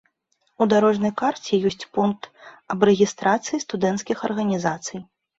У дарожнай карце ёсць пункт аб рэгістрацыі студэнцкіх арганізацый.